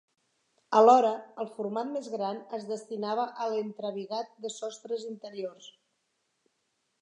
Alhora, el format més gran es destinava a l'entrebigat de sostres interiors.